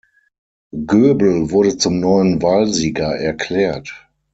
Goebel wurde zum neuen Wahlsieger erklärt.